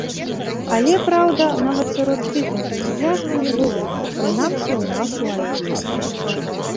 Але, праўда, нават сярод тых энтузіязму не было, прынамсі ў нас у аддзеле.